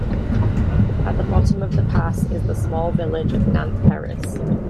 At the bottom of the pass is the small village of Nant Peris.